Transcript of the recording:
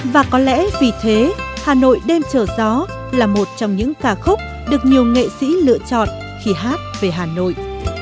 và có lẽ vì thế hà nội đêm chở gió là một trong những ca khúc được nhiều nghệ sĩ lựa chọn khi hát về hà nội